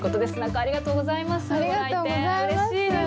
ありがとうございます。